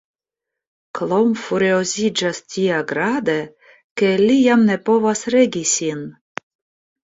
Klomp furioziĝas tiagrade, ke li jam ne povas regi sin.